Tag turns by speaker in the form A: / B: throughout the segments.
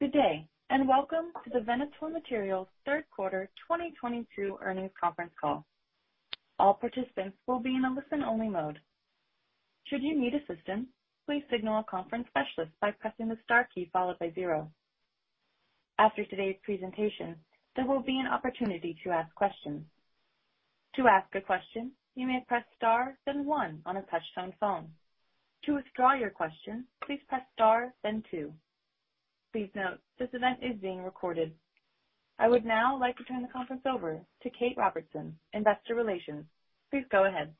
A: Good day, and welcome to the Venator Materials third quarter 2022 earnings conference call. All participants will be in a listen only mode. Should you need assistance, please signal a conference specialist by pressing the star key followed by zero. After today's presentation, there will be an opportunity to ask questions. To ask a question, you may press star then one on a touch-tone phone. To withdraw your question, please press star then two. Please note, this event is being recorded. I would now like to turn the conference over to Kate Robertson, Investor Relations. Please go ahead.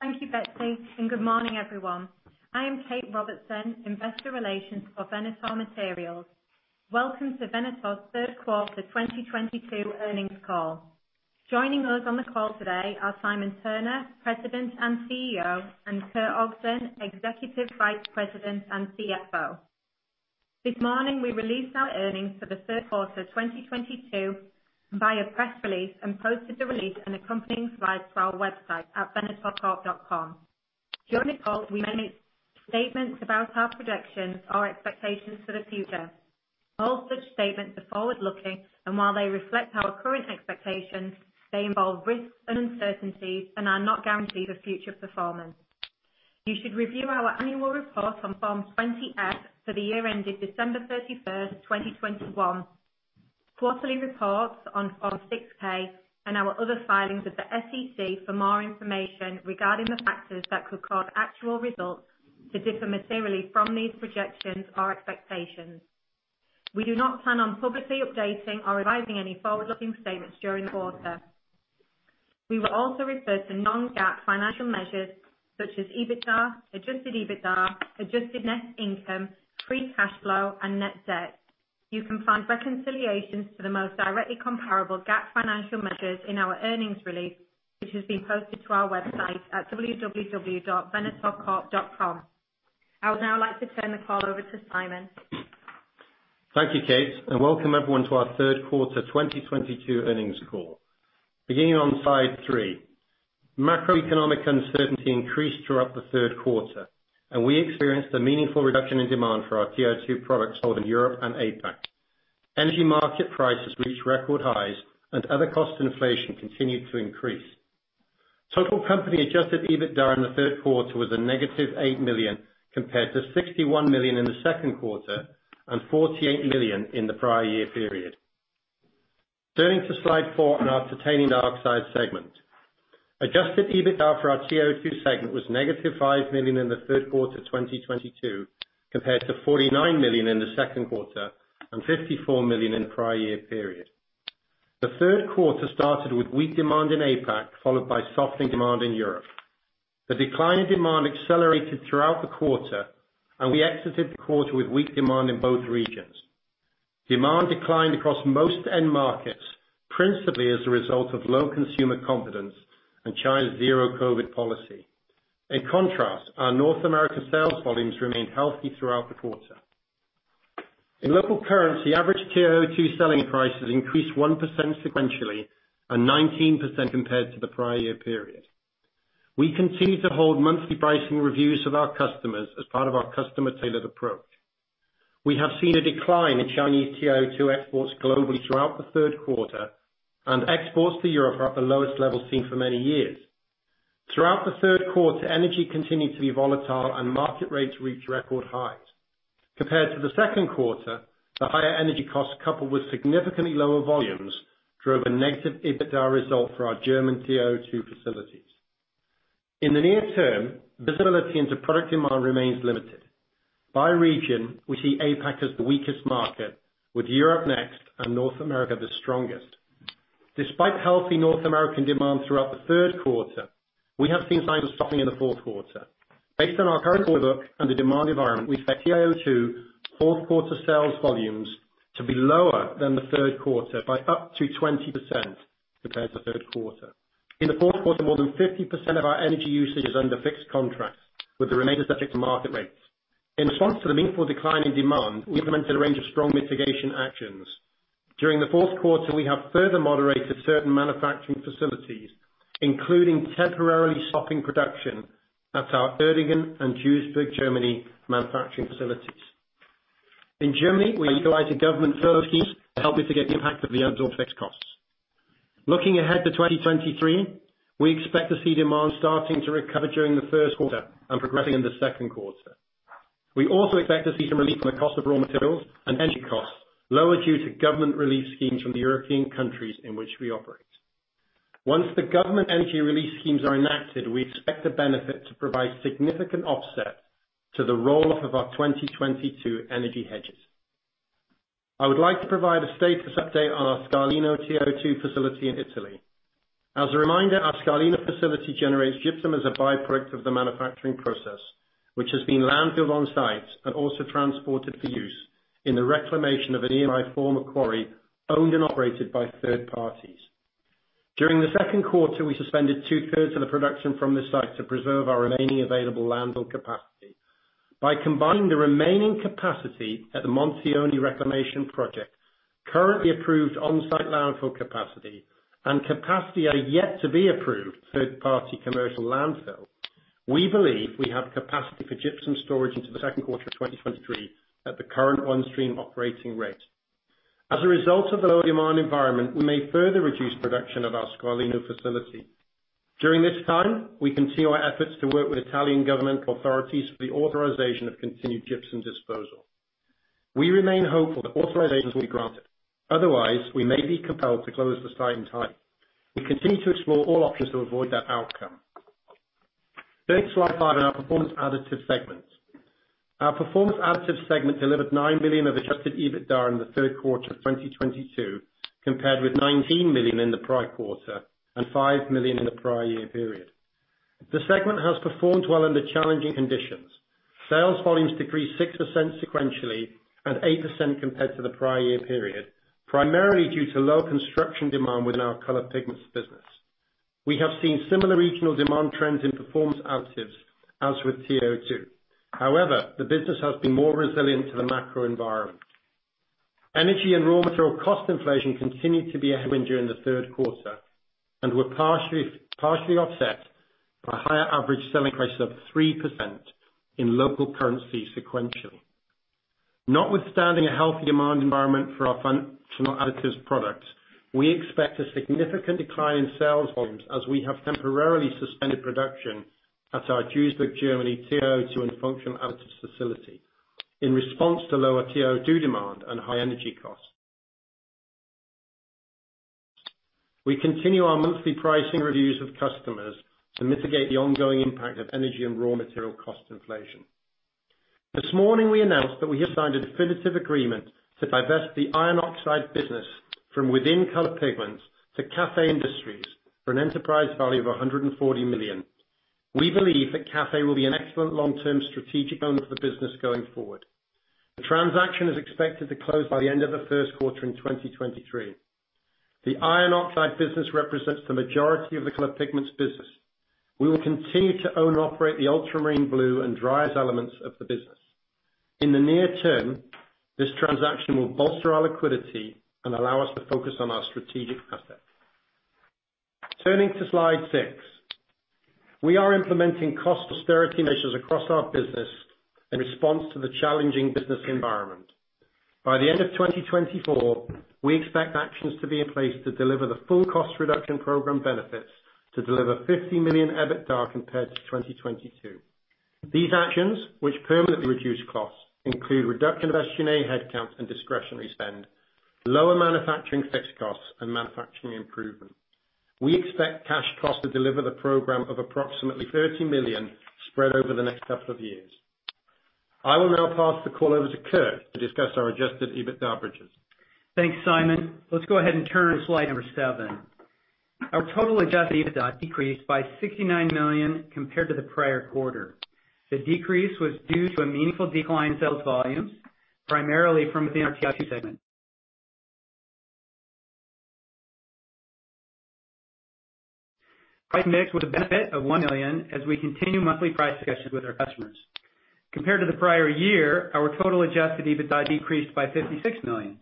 B: Thank you, Betsy, and good morning, everyone. I am Kate Robertson, Investor Relations for Venator Materials. Welcome to Venator's third quarter 2022 earnings call. Joining us on the call today are Simon Turner, President and CEO, and Kurt Ogden, Executive Vice President and CFO. This morning, we released our earnings for the third quarter of 2022 via press release and posted the release and accompanying slides to our website at venatorcorp.com. During the call, we may make statements about our projections or expectations for the future. All such statements are forward-looking, and while they reflect our current expectations, they involve risks and uncertainties and are not guarantees of future performance. You should review our annual report on Form 20-F for the year ended December 31st, 2021, quarterly reports on Form 6-K, and our other filings with the SEC for more information regarding the factors that could cause actual results to differ materially from these projections or expectations. We do not plan on publicly updating or revising any forward-looking statements during the quarter. We will also refer to non-GAAP financial measures such as EBITDA, adjusted EBITDA, adjusted net income, free cash flow, and net debt. You can find reconciliations to the most directly comparable GAAP financial measures in our earnings release, which has been posted to our website at www.venatorcorp.com. I would now like to turn the call over to Simon.
C: Thank you, Kate, and welcome everyone to our third quarter 2022 earnings call. Beginning on Slide 3. Macroeconomic uncertainty increased throughout the third quarter, and we experienced a meaningful reduction in demand for our TiO2 products sold in Europe and APAC. Energy market prices reached record highs and other cost inflation continued to increase. Total company adjusted EBITDA in the third quarter was -$8 million, compared to $61 million in the second quarter and $48 million in the prior year period. Turning to Slide 4 in our Titanium Dioxide segment. Adjusted EBITDA for our TiO2 segment was -$5 million in the third quarter of 2022, compared to $49 million in the second quarter and $54 million in prior year period. The third quarter started with weak demand in APAC, followed by softening demand in Europe. The decline in demand accelerated throughout the quarter and we exited the quarter with weak demand in both regions. Demand declined across most end markets, principally as a result of low consumer confidence and China's Zero-COVID policy. In contrast, our North American sales volumes remained healthy throughout the quarter. In local currency, average TiO2 selling prices increased 1% sequentially and 19% compared to the prior year period. We continue to hold monthly pricing reviews with our customers as part of our customer-tailored approach. We have seen a decline in Chinese TiO2 exports globally throughout the third quarter, and exports to Europe are at the lowest level seen for many years. Throughout the third quarter, energy continued to be volatile and market rates reached record highs. Compared to the second quarter, the higher energy costs, coupled with significantly lower volumes, drove a negative EBITDA result for our German TiO2 facilities. In the near term, visibility into product demand remains limited. By region, we see APAC as the weakest market, with Europe next and North America the strongest. Despite healthy North American demand throughout the third quarter, we have seen signs of softening in the fourth quarter. Based on our current order book and the demand environment, we expect TiO2 fourth quarter sales volumes to be lower than the third quarter by up to 20% compared to the third quarter. In the fourth quarter, more than 50% of our energy usage is under fixed contracts, with the remainder subject to market rates. In response to the meaningful decline in demand, we implemented a range of strong mitigation actions. During the fourth quarter, we have further moderated certain manufacturing facilities, including temporarily stopping production at our Uerdingen and Duisburg, Germany, manufacturing facilities. In Germany, we are utilizing government subsidies to help mitigate the impact of the absorbed fixed costs. Looking ahead to 2023, we expect to see demand starting to recover during the first quarter and progressing in the second quarter. We also expect to see some relief on the cost of raw materials and energy costs lower due to government relief schemes from the European countries in which we operate. Once the government energy relief schemes are enacted, we expect the benefit to provide significant offset to the roll-off of our 2022 energy hedges. I would like to provide a status update on our Scarlino TiO2 facility in Italy. As a reminder, our Scarlino facility generates gypsum as a by-product of the manufacturing process, which has been landfilled on-site and also transported for use in the reclamation of a nearby former quarry owned and operated by third parties. During the second quarter, we suspended two-thirds of the production from this site to preserve our remaining available landfill capacity. By combining the remaining capacity at the Montioni reclamation project, currently approved on-site landfill capacity, and capacity yet to be approved third-party commercial landfill, we believe we have capacity for gypsum storage into the second quarter of 2023 at the current on-stream operating rate. As a result of the low demand environment, we may further reduce production of our Scarlino facility. During this time, we continue our efforts to work with Italian government authorities for the authorization of continued gypsum disposal. We remain hopeful that authorizations will be granted. Otherwise, we may be compelled to close the site in time. We continue to explore all options to avoid that outcome. Turning to Slide 5 on our Performance Additives segment. Our Performance Additives segment delivered $9 million of adjusted EBITDA in the third quarter of 2022, compared with $19 million in the prior quarter and $5 million in the prior year period. The segment has performed well under challenging conditions. Sales volumes decreased 6% sequentially and 8% compared to the prior year period, primarily due to low construction demand within our Color Pigments business. We have seen similar regional demand trends in Performance Additives as with TiO2. However, the business has been more resilient to the macro environment. Energy and raw material cost inflation continued to be a headwind during the third quarter and were partially offset by higher average selling price of 3% in local currency sequentially. Notwithstanding a healthy demand environment for our functional additives products, we expect a significant decline in sales volumes as we have temporarily suspended production at our Duisburg, Germany, TiO2 and functional additives facility in response to lower TiO2 demand and high energy costs. We continue our monthly pricing reviews with customers to mitigate the ongoing impact of energy and raw material cost inflation. This morning, we announced that we have signed a definitive agreement to divest the iron oxide business from within Color Pigments to Cathay Industries for an enterprise value of $140 million. We believe that Cathay will be an excellent long-term strategic owner for the business going forward. The transaction is expected to close by the end of the first quarter in 2023. The iron oxide business represents the majority of the Color Pigments business. We will continue to own and operate the ultramarine blue and driers elements of the business. In the near term, this transaction will bolster our liquidity and allow us to focus on our strategic assets. Turning to Slide 6. We are implementing cost austerity measures across our business in response to the challenging business environment. By the end of 2024, we expect actions to be in place to deliver the full cost reduction program benefits to deliver $50 million EBITDA compared to 2022. These actions, which permanently reduce costs, include reduction of SG&A headcount and discretionary spend, lower manufacturing fixed costs, and manufacturing improvements. We expect cash costs to deliver the program of approximately $30 million spread over the next couple of years. I will now pass the call over to Kurt to discuss our adjusted EBITDA bridges.
D: Thanks, Simon. Let's go ahead and turn to Slide 7. Our total adjusted EBITDA decreased by $69 million compared to the prior quarter. The decrease was due to a meaningful decline in sales volumes, primarily from within our TiO2 segment. Price mix was a benefit of $1 million as we continue monthly price discussions with our customers. Compared to the prior year, our total adjusted EBITDA decreased by $56 million.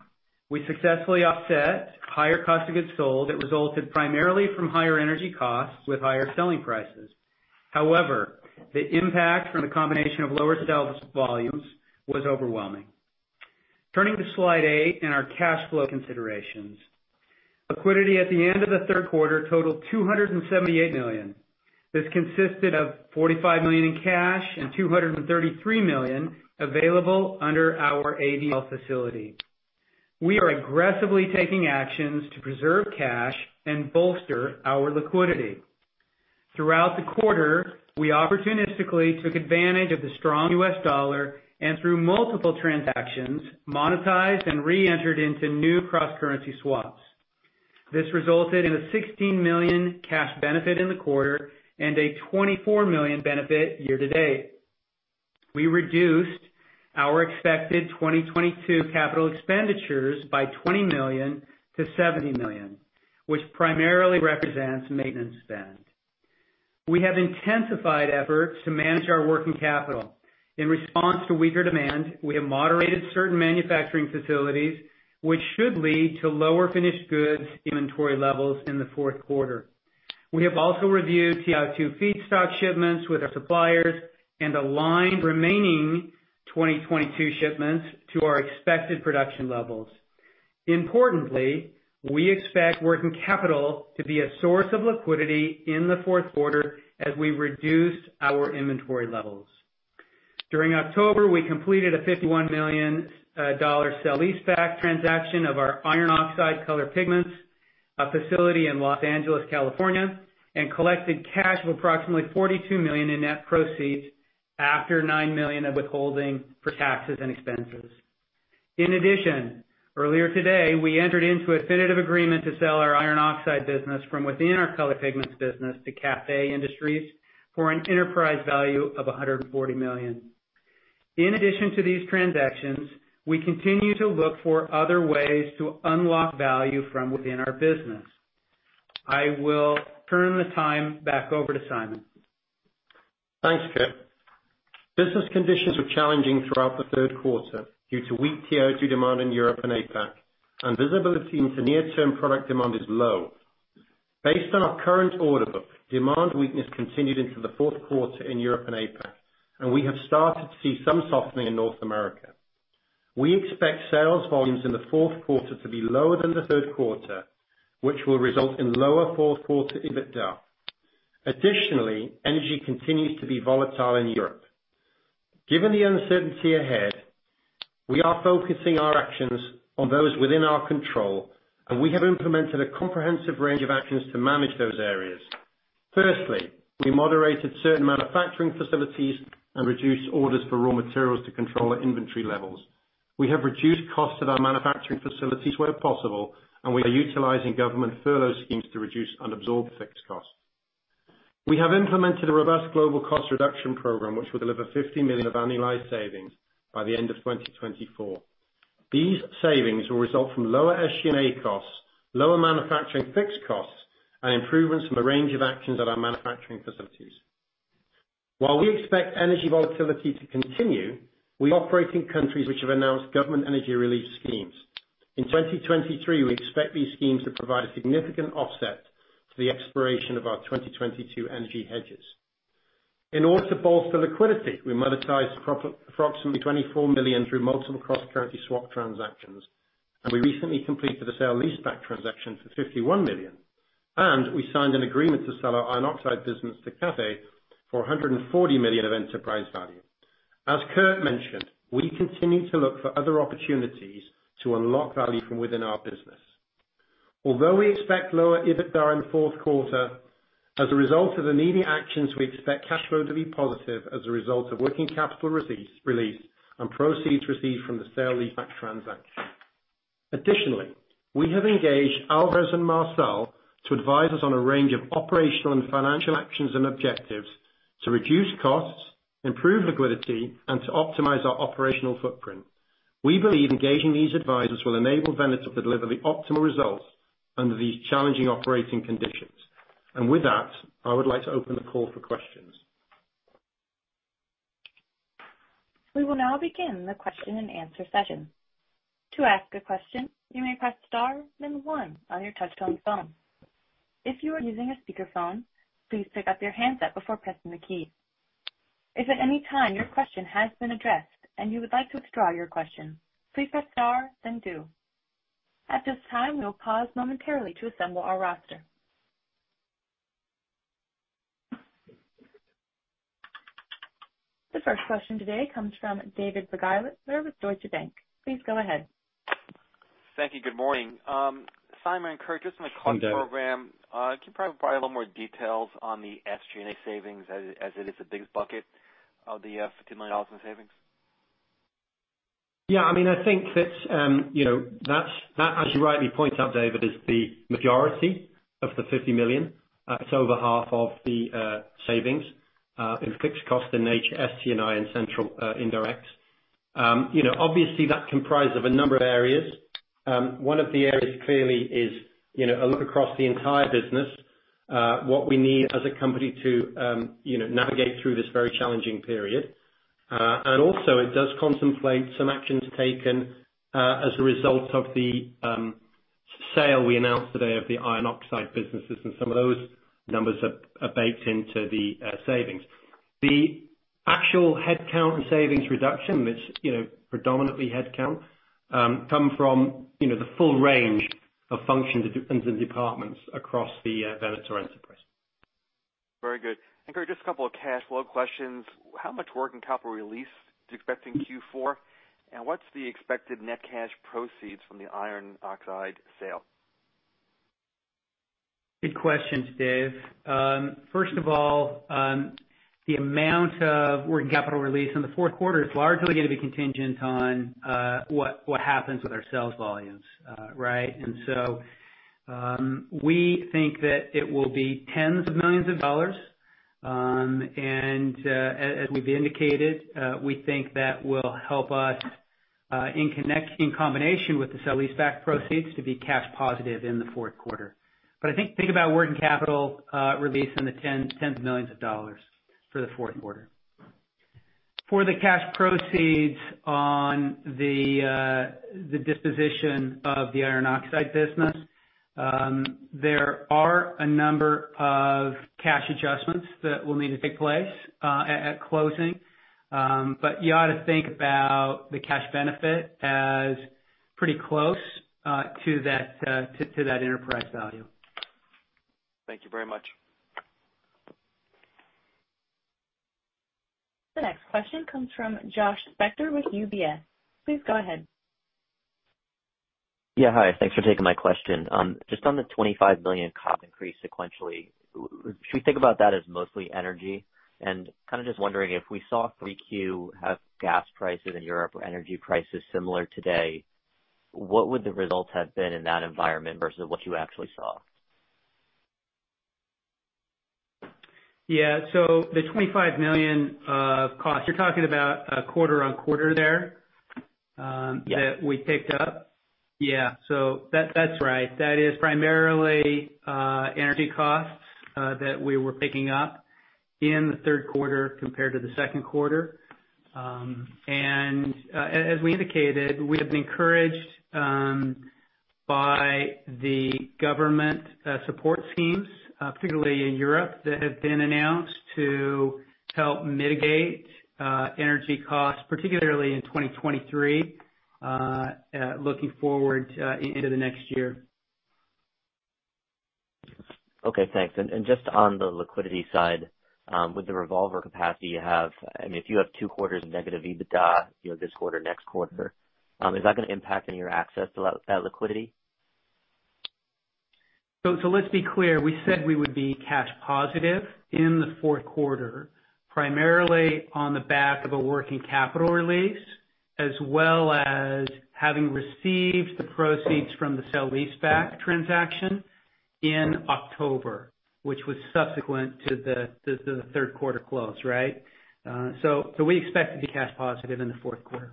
D: We successfully offset higher cost of goods sold that resulted primarily from higher energy costs with higher selling prices. However, the impact from the combination of lower sales volumes was overwhelming. Turning to Slide 8 and our cash flow considerations. Liquidity at the end of the third quarter totaled $278 million. This consisted of $45 million in cash and $233 million available under our ABL facility. We are aggressively taking actions to preserve cash and bolster our liquidity. Throughout the quarter, we opportunistically took advantage of the strong U.S. dollar and through multiple transactions, monetized and re-entered into new cross-currency swaps. This resulted in a $16 million cash benefit in the quarter and a $24 million benefit year to date. We reduced our expected 2022 capital expenditures by $20 million to $70 million, which primarily represents maintenance spend. We have intensified efforts to manage our working capital. In response to weaker demand, we have moderated certain manufacturing facilities, which should lead to lower finished goods inventory levels in the fourth quarter. We have also reviewed TiO2 feedstock shipments with our suppliers and aligned remaining 2022 shipments to our expected production levels. Importantly, we expect working capital to be a source of liquidity in the fourth quarter as we reduce our inventory levels. During October, we completed a $51 million sale-leaseback transaction of our iron oxide Color Pigments facility in Los Angeles, California, and collected cash of approximately $42 million in net proceeds after $9 million of withholding for taxes and expenses. In addition, earlier today, we entered into a definitive agreement to sell our iron oxide business from within our Color Pigments business to Cathay Industries for an enterprise value of $140 million. In addition to these transactions, we continue to look for other ways to unlock value from within our business. I will turn the time back over to Simon.
C: Thanks, Kurt. Business conditions were challenging throughout the third quarter due to weak TiO2 demand in Europe and APAC, and visibility into near-term product demand is low. Based on our current order book, demand weakness continued into the fourth quarter in Europe and APAC, and we have started to see some softening in North America. We expect sales volumes in the fourth quarter to be lower than the third quarter, which will result in lower fourth quarter EBITDA. Additionally, energy continues to be volatile in Europe. Given the uncertainty ahead, we are focusing our actions on those within our control, and we have implemented a comprehensive range of actions to manage those areas. Firstly, we moderated certain manufacturing facilities and reduced orders for raw materials to control our inventory levels. We have reduced costs at our manufacturing facilities where possible, and we are utilizing government furlough schemes to reduce and absorb fixed costs. We have implemented a robust global cost reduction program which will deliver $50 million of annualized savings by the end of 2024. These savings will result from lower SG&A costs, lower manufacturing fixed costs, and improvements from a range of actions at our manufacturing facilities. While we expect energy volatility to continue, we operate in countries which have announced government energy relief schemes. In 2023, we expect these schemes to provide a significant offset to the expiration of our 2022 energy hedges. In order to bolster liquidity, we monetized approximately $24 million through multiple cross-currency swap transactions, and we recently completed a sale leaseback transaction for $51 million, and we signed an agreement to sell our iron oxide business to Cathay for $140 million of enterprise value. As Kurt mentioned, we continue to look for other opportunities to unlock value from within our business. Although we expect lower EBITDA in the fourth quarter, as a result of the energy actions, we expect cash flow to be positive as a result of working capital release and proceeds received from the sale leaseback transaction. Additionally, we have engaged Alvarez & Marsal to advise us on a range of operational and financial actions and objectives to reduce costs, improve liquidity, and to optimize our operational footprint. We believe engaging these advisors will enable Venator to deliver the optimal results under these challenging operating conditions. With that, I would like to open the call for questions.
A: We will now begin the question-and-answer session. To ask a question, you may press star then one on your touch-tone phone. If you are using a speakerphone, please pick up your handset before pressing the key. If at any time your question has been addressed and you would like to withdraw your question, please press star then two. At this time, we will pause momentarily to assemble our roster. The first question today comes from David Begleiter with Deutsche Bank. Please go ahead.
E: Thank you. Good morning. Simon and Kurt-
C: Hi, David.
E: Just on the cost program, can you provide a little more details on the SG&A savings as it is the biggest bucket of the $50 million in savings?
C: Yeah. I mean, I think that, you know, that as you rightly point out, David, is the majority of the $50 million. It's over half of the savings in fixed cost in nature, SG&A and central indirect. You know, obviously that comprised of a number of areas. One of the areas clearly is, you know, a look across the entire business, what we need as a company to, you know, navigate through this very challenging period. It does contemplate some actions taken as a result of the sale we announced today of the iron oxide businesses and some of those numbers are baked into the savings. The actual headcount and savings reduction, which, you know, predominantly headcount, come from, you know, the full range of functions and departments across the Venator enterprise.
E: Very good. Kurt, just a couple of cash flow questions. How much working capital release do you expect in Q4? What's the expected net cash proceeds from the iron oxide sale?
D: Good questions, Dave. First of all, the amount of working capital release in the fourth quarter is largely gonna be contingent on what happens with our sales volumes, right? We think that it will be tens of millions of dollars. As we've indicated, we think that will help us in combination with the sale leaseback proceeds to be cash positive in the fourth quarter. I think about working capital release in the tens of millions of dollars for the fourth quarter. For the cash proceeds on the disposition of the iron oxide business, there are a number of cash adjustments that will need to take place at closing. You ought to think about the cash benefit as pretty close to that enterprise value.
E: Thank you very much.
A: The next question comes from Josh Spector with UBS. Please go ahead.
F: Yeah. Hi. Thanks for taking my question. Just on the $25 million cost increase sequentially, should we think about that as mostly energy? Kinda just wondering if we saw 3Q have gas prices in Europe or energy prices similar today, what would the results have been in that environment versus what you actually saw?
D: Yeah. The $25 million cost you're talking about, quarter-over-quarter there? That we picked up? Yeah, that's right. That is primarily energy costs that we were picking up in the third quarter compared to the second quarter. As we indicated, we have been encouraged by the government support schemes, particularly in Europe, that have been announced to help mitigate energy costs, particularly in 2023, looking forward into the next year.
F: Okay, thanks. Just on the liquidity side, with the revolver capacity you have, I mean, if you have two quarters of negative EBITDA, you know, this quarter, next quarter, is that gonna impact on your access to that liquidity?
D: Let's be clear. We said we would be cash positive in the fourth quarter, primarily on the back of a working capital release, as well as having received the proceeds from the sale leaseback transaction in October, which was subsequent to the third quarter close, right? We expect to be cash positive in the fourth quarter.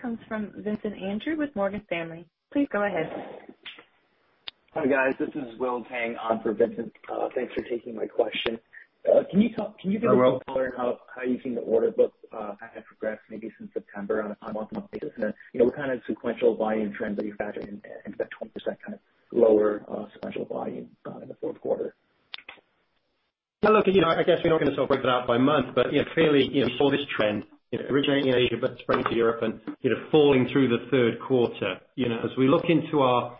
F: Yeah.
A: The next question comes from Vincent Andrews with Morgan Stanley. Please go ahead.
G: Hi, guys. This is William Tang on for Vincent. Thanks for taking my question. Can you talk?
C: Hello.
G: Can you give us some color on how you think the order book kind of progressed maybe since September on a month-on-month basis? What kind of sequential volume trends are you factoring in that 20% kind of lower sequential volume in the fourth quarter?
C: Now, look, you know, I guess we're not gonna sort of break it out by month, but, you know, clearly, you know, we saw this trend, you know, originating in Asia, but spreading to Europe and, you know, falling through the third quarter. You know, as we look into our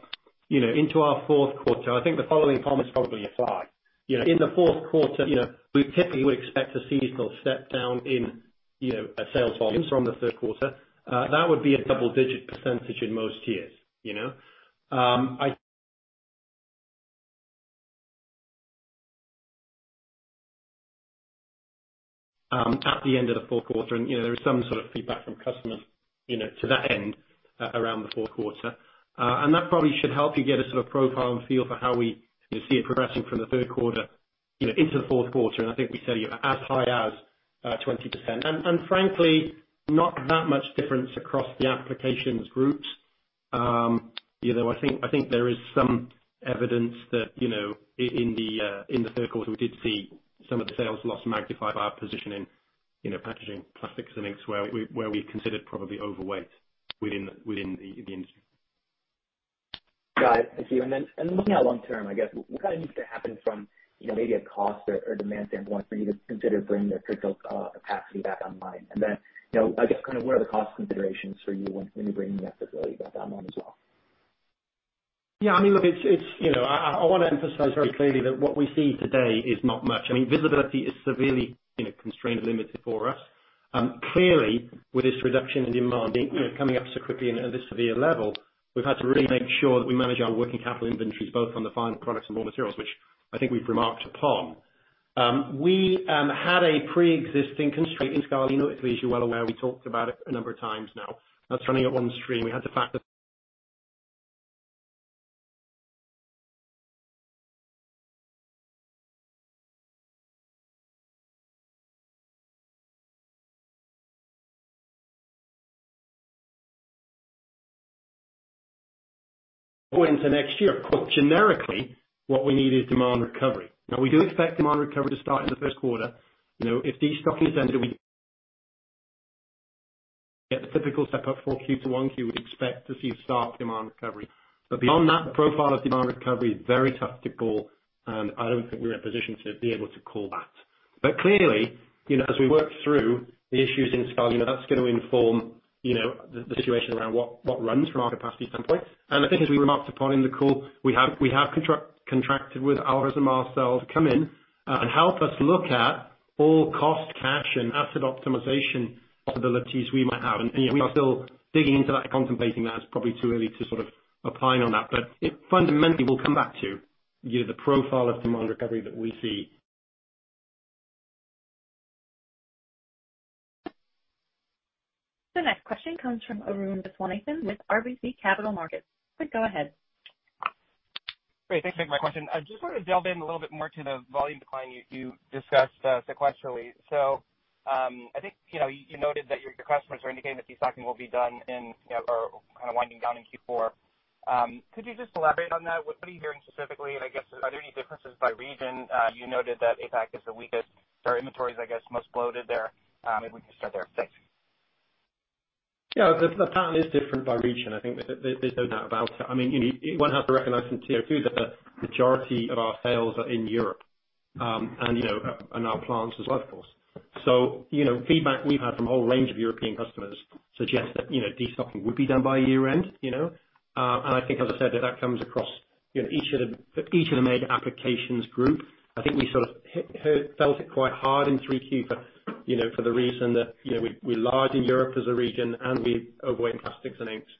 C: fourth quarter, I think the following comments probably apply. You know, in the fourth quarter, you know, we typically would expect a seasonal step down in, you know, our sales volumes from the third quarter. That would be a double-digit percentage in most years, you know. At the end of the fourth quarter and, you know, there is some sort of feedback from customers, you know, to that end around the fourth quarter. That probably should help you get a sort of profile and feel for how we, you know, see it progressing from the third quarter, you know, into the fourth quarter. I think we said, you know, as high as 20%. Frankly, not that much difference across the applications groups. You know, I think there is some evidence that, you know, in the third quarter we did see some of the sales loss magnified by our position in, you know, packaging plastics and inks where we considered probably overweight within the industry.
G: Got it. Thank you. Looking out long term, I guess, what kind of needs to happen from, you know, maybe a cost or demand standpoint for you to consider bringing the Scarlino capacity back online? You know, I guess kind of what are the cost considerations for you when you're bringing that facility back online as well?
C: Yeah, I mean, look, it's you know, I wanna emphasize very clearly that what we see today is not much. I mean, visibility is severely you know, constrained and limited for us. Clearly, with this reduction in demand you know, coming up so quickly and at this severe level, we've had to really make sure that we manage our working capital inventories, both from the final products and raw materials, which I think we've remarked upon. We had a preexisting constraint in Scarlino, obviously, as you're well aware, we talked about it a number of times now. That's running at one stream. We had the fact that go into next year. Generically, what we need is demand recovery. Now, we do expect demand recovery to start in the first quarter. You know, if destocking is then doing. Given the typical step up from Q4 to Q1, we'd expect to see a sharp demand recovery. Beyond that, the profile of demand recovery is very tactical, and I don't think we're in a position to be able to call that. Clearly, you know, as we work through the issues in Scarlino, that's gonna inform, you know, the situation around what runs from our capacity standpoint. I think as we remarked upon in the call, we have contracted with Alvarez & Marsal to come in and help us look at all cost, cash, and asset optimization possibilities we might have. You know, we are still digging into that and contemplating that. It's probably too early to sort of opine on that. It fundamentally will come back to, you know, the profile of demand recovery that we see.
A: The next question comes from Arun Viswanathan with RBC Capital Markets. Please go ahead.
H: Great. Thanks for taking my question. I just wanna delve in a little bit more to the volume decline you discussed sequentially. I think, you know, you noted that your customers are indicating that destocking will be done in, you know, or kind of winding down in Q4. Could you just elaborate on that? What are you hearing specifically, and I guess, are there any differences by region? You noted that APAC is the weakest. Their inventory is, I guess, most bloated there. If we could start there? Thanks.
C: Yeah. The pattern is different by region. I think there's no doubt about it. I mean, you know, one has to recognize this year too that the majority of our sales are in Europe. You know, our plants as well, of course. You know, feedback we've had from a whole range of European customers suggest that, you know, destocking would be done by year end, you know. I think, as I said, that comes across, you know, each of the major applications group. I think we sort of felt it quite hard in 3Q, for you know, for the reason that, you know, we're large in Europe as a region, and we overweight plastics and inks.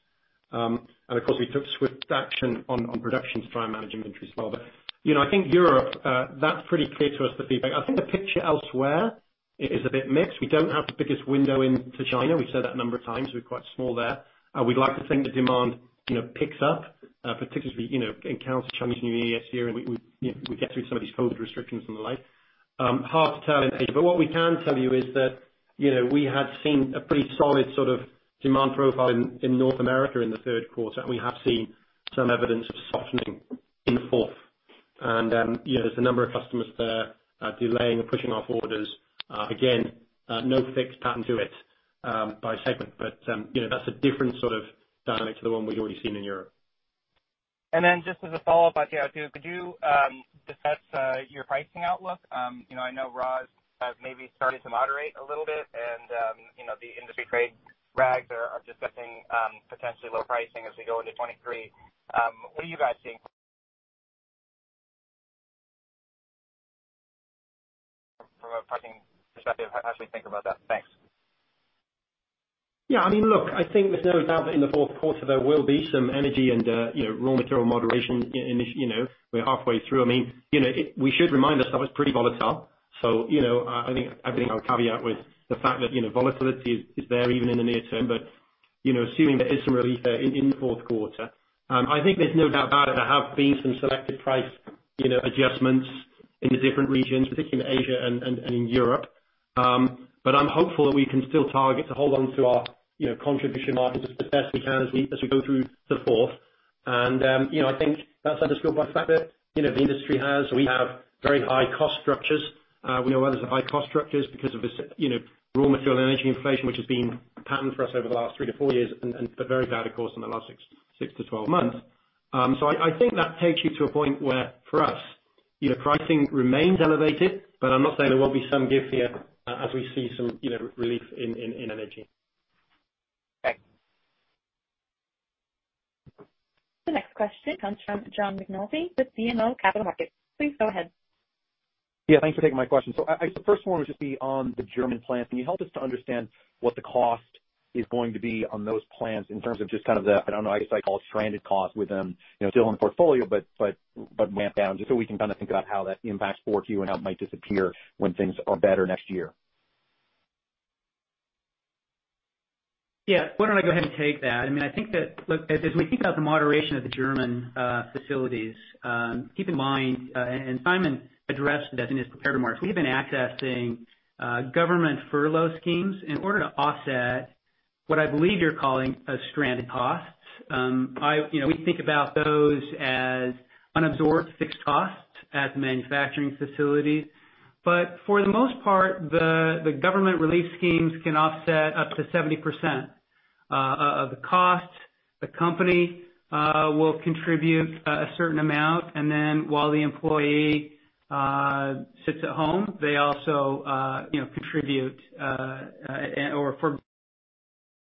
C: Of course we took swift action on production to try and manage inventory as well. You know, I think Europe, that's pretty clear to us, the feedback. I think the picture elsewhere is a bit mixed. We don't have the biggest window into China. We've said that a number of times. We're quite small there. We'd like to think the demand, you know, picks up, particularly, you know, around Chinese New Year this year, and we get through some of these COVID restrictions and the like. Hard to tell in Asia. What we can tell you is that, you know, we had seen a pretty solid sort of demand profile in North America in the third quarter, and we have seen some evidence of softening in the fourth. You know, there's a number of customers there delaying or pushing off orders. Again, no fixed pattern to it, by segment, but, you know, that's a different sort of dynamic to the one we'd already seen in Europe.
H: Just as a follow-up on you, could you discuss your pricing outlook? You know, I know raw has maybe started to moderate a little bit and, you know, the industry trade rags are discussing potentially low pricing as we go into 2023. What are you guys seeing from a pricing perspective? How should we think about that? Thanks.
C: Yeah. I mean, look, I think there's no doubt that in the fourth quarter there will be some energy and, you know, raw material moderation in this, you know. We're halfway through. I mean, you know, we should remind ourselves it's pretty volatile, so, you know, I think I'll caveat with the fact that, you know, volatility is there even in the near term. You know, assuming there is some relief there in the fourth quarter, I think there's no doubt about it, there have been some selective price, you know, adjustments in the different regions, particularly in Asia and in Europe. I'm hopeful that we can still target to hold on to our, you know, contribution margins as best we can as we go through the fourth. You know, I think that's underscored by the fact that, you know, the industry has, we have very high cost structures. We know others have high cost structures because of this, you know, raw material and energy inflation, which has been a pattern for us over the last three-four years but very bad of course in the last six-12 months. I think that takes you to a point where, for us, you know, pricing remains elevated, but I'm not saying there won't be some give here as we see some, you know, relief in energy.
H: Thanks.
A: The next question comes from John McNulty with BMO Capital Markets. Please go ahead.
I: Yeah, thanks for taking my question. First one would just be on the German plant. Can you help us to understand what the cost is going to be on those plants in terms of just kind of the, I don't know, I guess I'd call it stranded costs with them, you know, still in the portfolio, but ramp down, just so we can kind of think about how that impacts Q4 and how it might disappear when things are better next year?
D: Yeah. Why don't I go ahead and take that? I mean, I think that, look, as we think about the moderation of the German facilities, keep in mind, and Simon addressed this in his prepared remarks, we've been accessing government furlough schemes in order to offset what I believe you're calling a stranded cost. You know, we think about those as unabsorbed fixed costs at the manufacturing facility. But for the most part the government relief schemes can offset up to 70% of the cost. The company will contribute a certain amount, and then while the employee sits at home, they also, you know, contribute or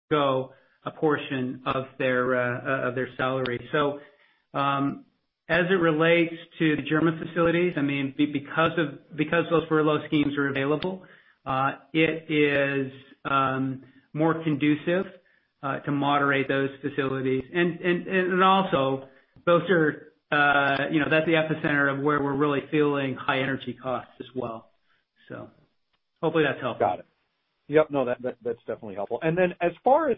D: forgo a portion of their salary. As it relates to the German facilities, I mean, because those furlough schemes are available, it is more conducive to moderate those facilities. Also those are, you know, that's the epicenter of where we're really feeling high energy costs as well. Hopefully that's helpful.
I: Got it. Yep, no. That's definitely helpful. As far as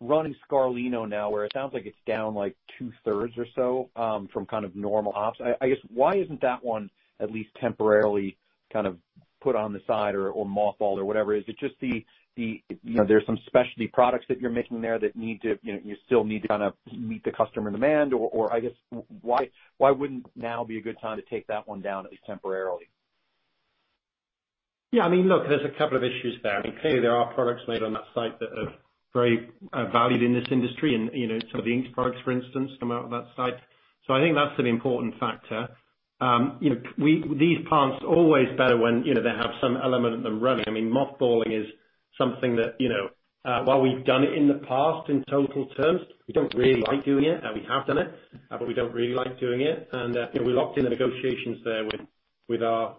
I: running Scarlino now, where it sounds like it's down like two-thirds or so from kind of normal ops, I guess why isn't that one at least temporarily kind of put on the side or mothballed or whatever? Is it just the you know, there's some specialty products that you're making there that need to you know, you still need to kind of meet the customer demand? I guess why wouldn't now be a good time to take that one down at least temporarily?
C: Yeah. I mean, look, there's a couple of issues there. I mean, clearly there are products made on that site that are very valued in this industry. You know, some of the ink products, for instance, come out of that site. I think that's an important factor. You know, these plants always better when, you know, they have some element of them running. I mean, mothballing is something that, you know, while we've done it in the past in total terms, we don't really like doing it. We have done it, but we don't really like doing it. You know, we locked in the negotiations there with our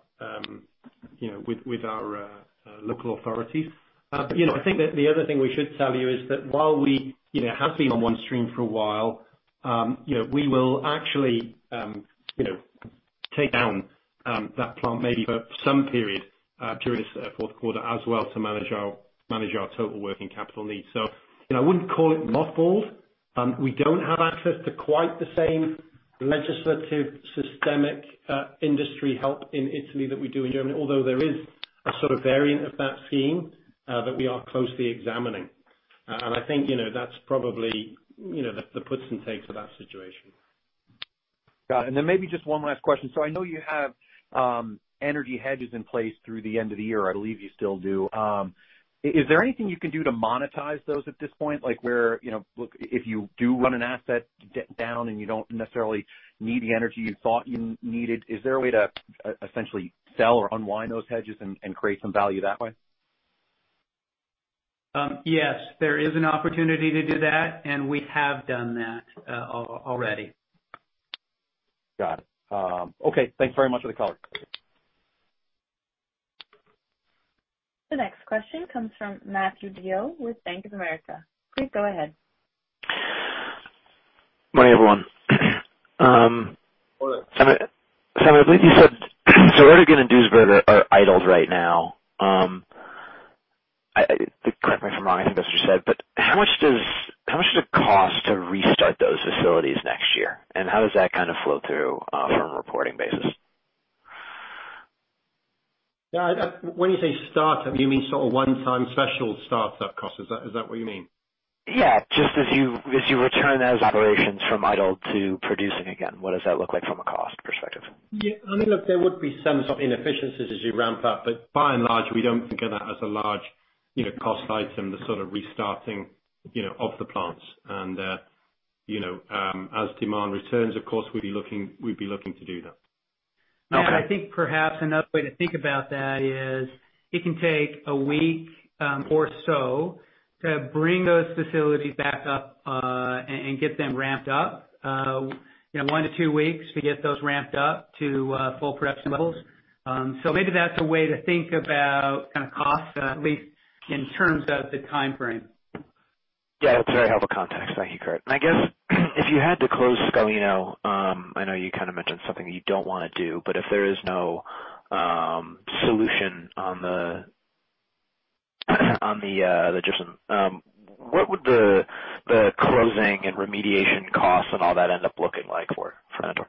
C: local authorities. I think that the other thing we should tell you is that while we, you know, have been on one stream for a while, you know, we will actually, you know, take down that plant maybe for some period during this fourth quarter as well to manage our total working capital needs. You know, I wouldn't call it mothballed. We don't have access to quite the same legislative systemic industry help in Italy that we do in Germany, although there is a sort of variant of that theme that we are closely examining. I think, you know, that's probably, you know, the puts and takes of that situation.
I: Got it. Then maybe just one last question. I know you have energy hedges in place through the end of the year. I believe you still do. Is there anything you can do to monetize those at this point? Like where, you know, look, if you do run an asset down, and you don't necessarily need the energy you thought you needed, is there a way to essentially sell or unwind those hedges and create some value that way?
D: Yes, there is an opportunity to do that, and we have done that, already.
I: Got it. Okay. Thanks very much for the color.
A: The next question comes from Matthew DeYoe with Bank of America. Please go ahead.
J: Morning, everyone. Simon, I believe you said Uerdingen and Duisburg are idled right now. Correct me if I'm wrong, I think that's what you said, but how much does it cost to restart those facilities next year? How does that kind of flow through from a reporting basis?
C: Yeah. When you say start up, you mean sort of one-time special start up cost? Is that what you mean?
J: Yeah. Just as you return those operations from idle to producing again, what does that look like from a cost perspective?
C: Yeah, I mean, look, there would be some sort of inefficiencies as you ramp up, but by and large, we don't think of that as a large, you know, cost item, the sort of restarting, you know, of the plants. You know, as demand returns, of course, we'd be looking to do that.
J: Okay.
D: I think perhaps another way to think about that is it can take a week, or so to bring those facilities back up, and get them ramped up. You know, one to two weeks to get those ramped up to full production levels. Maybe that's a way to think about kind of cost, at least in terms of the timeframe.
J: Yeah, that's very helpful context. Thank you, Kurt. I guess if you had to close Scarlino, I know you kind of mentioned something that you don't wanna do, but if there is no solution on the gypsum, what would the closing and remediation costs and all that end up looking like for [Scarlino]?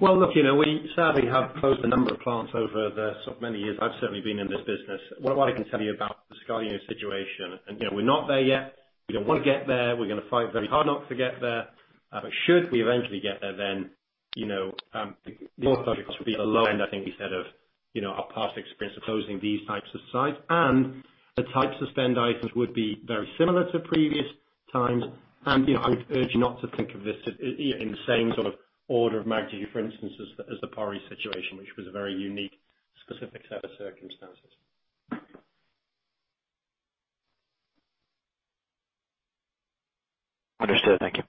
C: Well, look, you know, we sadly have closed a number of plants over the sort of many years I've certainly been in this business. What I can tell you about the Scarlino situation, you know, we're not there yet. We don't want to get there. We're gonna fight very hard not to get there. But should we eventually get there, then, you know, the total cost will be the low end, I think we said, of, you know, our past experience of closing these types of sites. The types of spend items would be very similar to previous times. You know, I would urge you not to think of this as even the same sort of order of magnitude, for instance, as the Pori situation, which was a very unique, specific set of circumstances.
J: Understood. Thank you.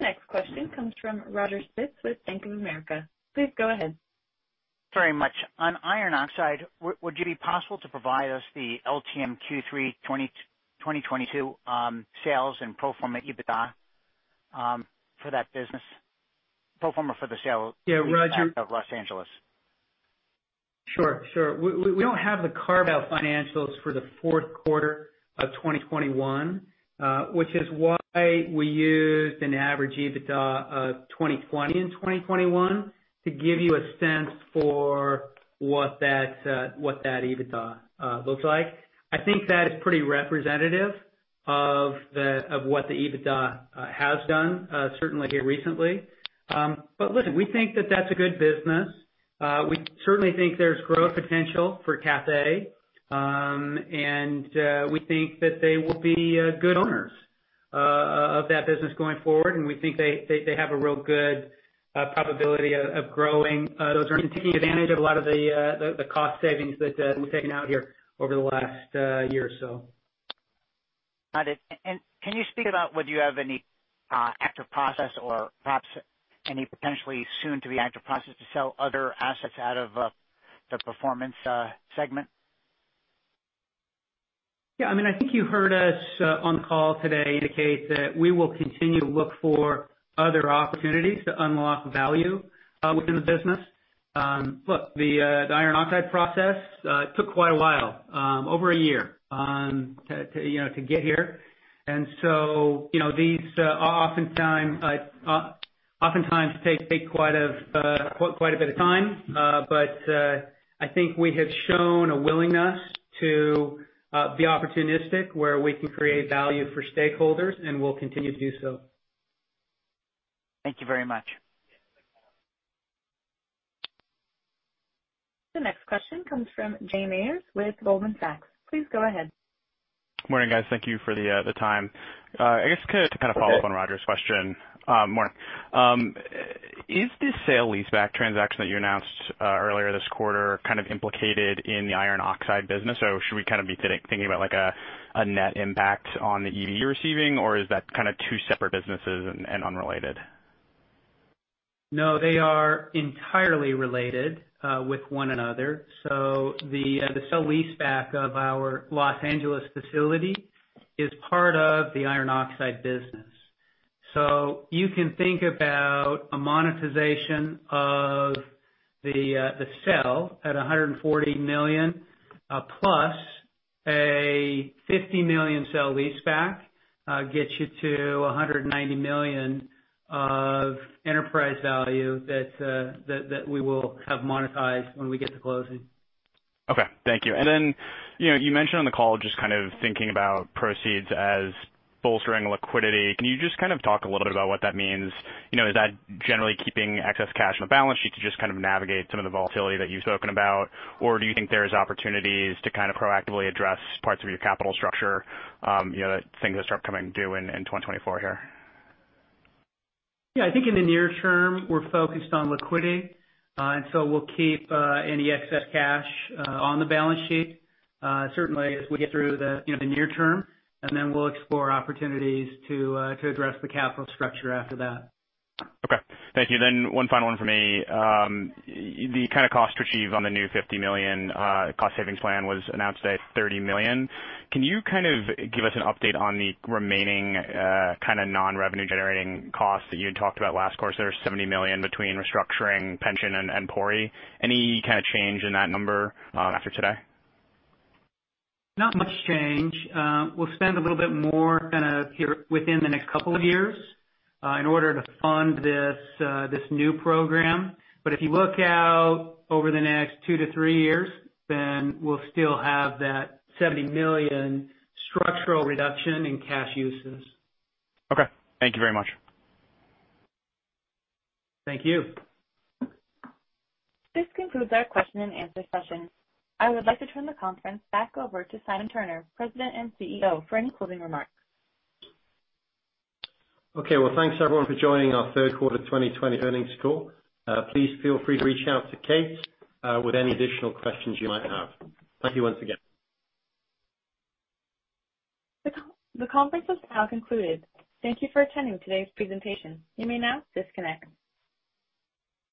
A: Next question comes from Roger Spitz with Bank of America. Please go ahead.
K: Very much. On iron oxide, would it be possible to provide us the LTM Q3 2022 sales and pro forma EBITDA for that business? Pro forma for the sale.
D: Yeah, Roger.
K: of Los Angeles.
D: Sure. We don't have the carve out financials for the fourth quarter of 2021, which is why we used an average EBITDA of 2020 and 2021 to give you a sense for what that EBITDA looks like. I think that is pretty representative of what the EBITDA has done, certainly here recently. Listen, we think that that's a good business. We certainly think there's growth potential for Cathay. We think that they will be good owners of that business going forward, and we think they have a real good probability of growing. They're taking advantage of a lot of the cost savings that we've taken out here over the last year or so.
K: Got it. Can you speak about whether you have any active process or perhaps any potentially soon to be active process to sell other assets out of the performance segment?
D: Yeah, I mean, I think you heard us on the call today indicate that we will continue to look for other opportunities to unlock value within the business. Look, the iron oxide process took quite a while, over a year, to you know to get here. You know, these oftentimes take quite a bit of time. I think we have shown a willingness to be opportunistic where we can create value for stakeholders, and we'll continue to do so.
K: Thank you very much.
A: The next question comes from Jay Meyers with Goldman Sachs. Please go ahead.
L: Morning, guys. Thank you for the time. I guess to kind of follow-up on Roger's question more. Is this sale leaseback transaction that you announced earlier this quarter kind of implicated in the iron oxide business, or should we kind of be thinking about like a net impact on the EBITDA you're receiving? Is that kind of two separate businesses and unrelated?
D: No, they are entirely related with one another. The sale leaseback of our Los Angeles facility is part of the iron oxide business. You can think about a monetization of the sale at $140 million plus a $50 million sale leaseback gets you to $190 million of enterprise value that we will have monetized when we get to closing.
L: Okay. Thank you. Then, you know, you mentioned on the call just kind of thinking about proceeds as bolstering liquidity. Can you just kind of talk a little bit about what that means? You know, is that generally keeping excess cash on the balance sheet to just kind of navigate some of the volatility that you've spoken about? Or do you think there's opportunities to kind of proactively address parts of your capital structure, you know, things that start coming due in 2024 here?
D: Yeah, I think in the near term, we're focused on liquidity. We'll keep any excess cash on the balance sheet, certainly as we get through the, you know, near term. We'll explore opportunities to address the capital structure after that.
L: Okay. Thank you. One final one from me. The kind of cost to achieve on the new $50 million cost savings plan was announced today at $30 million. Can you kind of give us an update on the remaining kind of non-revenue generating costs that you had talked about last quarter? There was $70 million between restructuring pension and Pori. Any kind of change in that number after today?
D: Not much change. We'll spend a little bit more kind of here within the next couple of years, in order to fund this new program. If you look out over the next two to three years, then we'll still have that $70 million structural reduction in cash uses.
L: Okay. Thank you very much.
D: Thank you.
A: This concludes our question-and-answer session. I would like to turn the conference back over to Simon Turner, President and CEO, for any closing remarks.
C: Okay. Well, thanks, everyone, for joining our third quarter 2020 earnings call. Please feel free to reach out to Kate with any additional questions you might have. Thank you once again.
A: The conference is now concluded. Thank you for attending today's presentation. You may now disconnect.